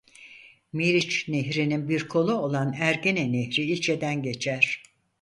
Meriç Nehri'nin bir kolu olan Ergene nehri ilçeden geçer.